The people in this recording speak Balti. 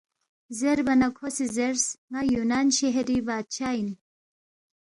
زیربا نہ کھو سی زیرس، ن٘ا یُونان شہری بادشاہ اِن